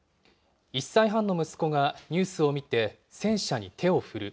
１歳半の息子がニュースを見て、戦車に手を振る。